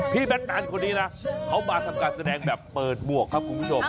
แบทแมนคนนี้นะเขามาทำการแสดงแบบเปิดหมวกครับคุณผู้ชม